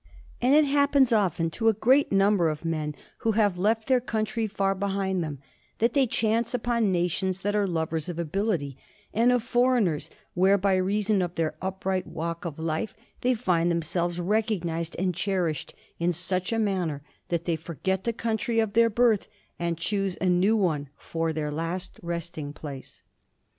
And it happens often to a great number of men, who have left their country far behind them, that they chance upon nations that are lovers of ability and of foreigners, where, by reason of their upright walk of life, they find themselves recognized and cherished in such a manner, that they forget the country of their birth and choose a new one for their last resting place.